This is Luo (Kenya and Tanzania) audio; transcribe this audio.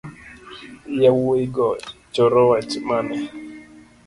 Yawuigo choro wach mane